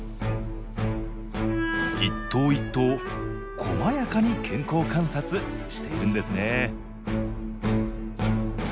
一頭一頭こまやかに健康観察しているんですね